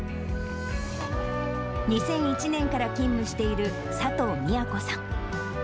２００１年から勤務している佐藤美也子さん。